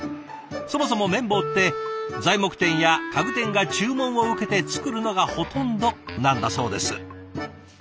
そもそも麺棒って材木店や家具店が注文を受けて作るのがほとんどなんだそうです。